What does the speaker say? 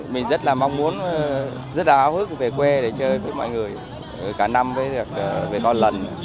mình rất là mong muốn rất là áo hức về quê để chơi với mọi người cả năm với các con lần